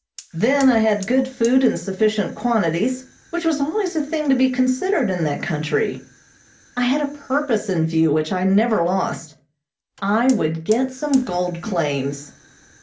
Then I had good food in sufficient quantities, which was always a thing to be considered in that country. I had a purpose in view which I never lost. I would get some gold claims.